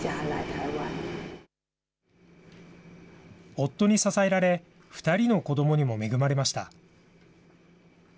夫に支えられ、２人の子どもにも恵まれました。